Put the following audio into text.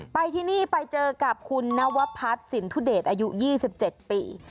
ไปที่นี่ไปเจอกับคุณนวพัฒน์สินทุเดชอายุ๒๗ปี